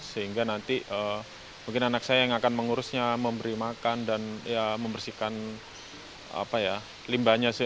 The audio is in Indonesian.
sehingga nanti mungkin anak saya yang akan mengurusnya memberi makan dan membersihkan limbahnya